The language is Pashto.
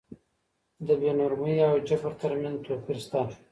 د بې نورمۍ او جبر تر منځ توپير سته.